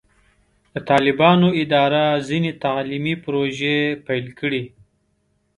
د طالبانو اداره ځینې تعلیمي پروژې پیل کړې.